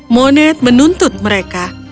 moned menuntut mereka